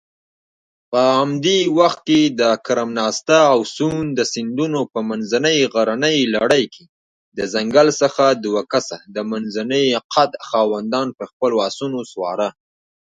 Only some of the collection was restored to his heirs.